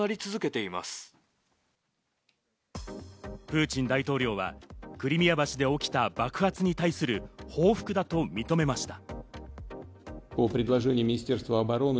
プーチン大統領はクリミア橋で起きた爆発に対する報復だと認めました。